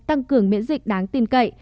tăng cường miễn dịch đáng tin cậy